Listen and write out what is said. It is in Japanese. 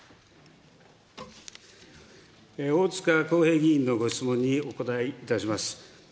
大塚耕平議員のご質問にお答えいたします。